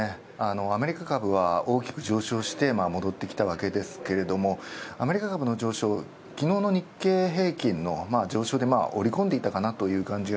アメリカ株は大きく上昇して戻ってきたわけですけれどアメリカ株の上昇、昨日の日経平均の上昇で織り込んでいたという感じ。